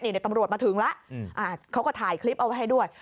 เดี๋ยวตำรวจมาถึงแล้วเขาก็ถ่ายคลิปเอาไว้ให้ด้วย